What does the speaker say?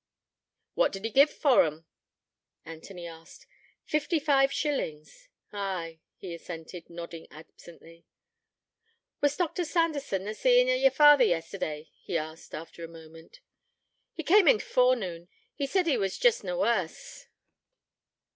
'What did he give for 'em?' Anthony asked. 'Fifty five shillings.' 'Ay,' he assented, nodding absently. 'Was Dr. Sanderson na seein' o' yer father yesterday?' he asked, after a moment. 'He came in t' forenoon. He said he was jest na worse.'